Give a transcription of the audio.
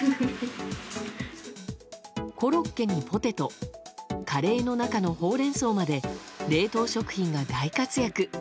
コロッケにポテトカレーの中のホウレンソウまで冷凍食品が大活躍。